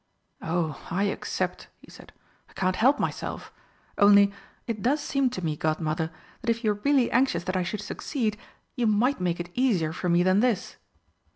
"Oh, I accept," he said. "I can't help myself. Only, it does seem to me, Godmother, that if you're really anxious that I should succeed, you might make it easier for me than this!"